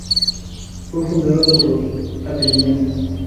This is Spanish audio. Fue fundada por los atenienses.